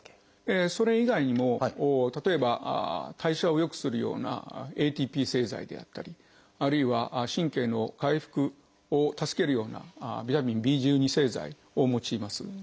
それ以外にも例えば代謝を良くするようなＡＴＰ製剤であったりあるいは神経の回復を助けるようなビタミンＢ製剤を用います。